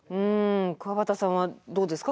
くわばたさんはどうですか？